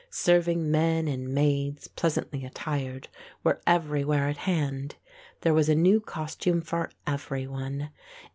Serving men and maids, pleasantly attired, were everywhere at hand. There was a new costume for every one.